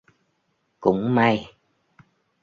Cũng may